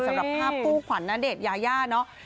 สำหรับผ้าผู้ขวานณเดชน์ยาย่าเนอะ